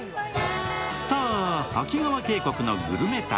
さあ、秋川渓谷のグルメ旅。